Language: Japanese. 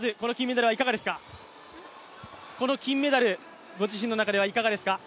まずこの金メダル、ご自身の中ではいかがですか？